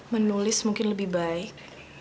menulis mungkin lebih baik